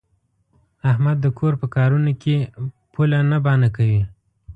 احمد د کور په کارونو کې پوله نه بانه کوي.